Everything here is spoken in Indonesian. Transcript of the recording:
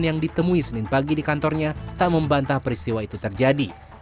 yang ditemui senin pagi di kantornya tak membantah peristiwa itu terjadi